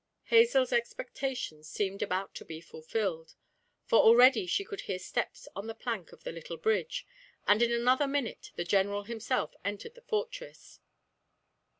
Hazel's expectations seemed about to be fulfilled; for already she could hear steps on the plank of the little bridge, and in another minute the General himself entered the fortress.